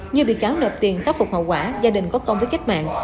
như bị cáo nợ tiền khắc phục hậu quả gia đình có công với cách mạng